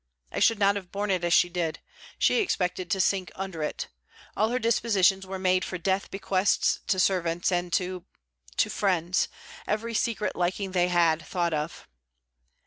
I should not have borne it as she did. She expected to sink under it. All her dispositions were made for death bequests to servants and to... to friends: every secret liking they had, thought of!'